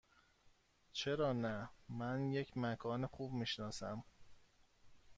چرا نه؟ من یک مکان خوب می شناسم.